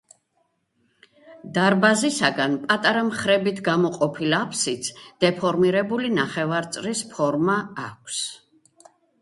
დარბაზისაგან პატარა მხრებით გამოყოფილ აფსიდს დეფორმირებული ნახევარწრის ფორმა აქვს.